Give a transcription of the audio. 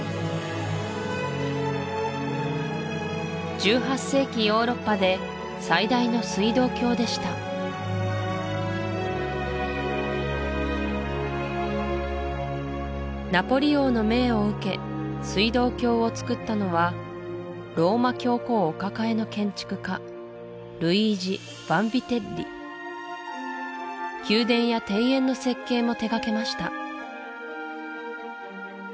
１８世紀ヨーロッパで最大の水道橋でしたナポリ王の命を受け水道橋をつくったのはローマ教皇お抱えの宮殿や庭園の設計も手がけました